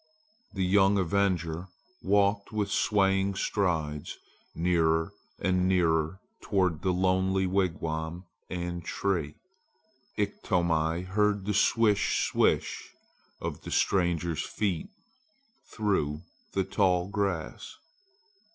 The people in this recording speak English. The young avenger walked with swaying strides nearer and nearer toward the lonely wigwam and tree. Iktomi heard the swish! swish! of the stranger's feet through the tall grass.